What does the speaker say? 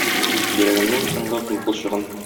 Йөрәгемнең соңгы кыйпылчыгын...